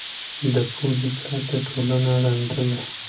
د پوهې پرته ټولنه ړنده ده.